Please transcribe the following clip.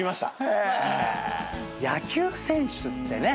野球選手ってね。